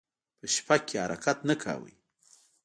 په شپه کې حرکت نه کاوه.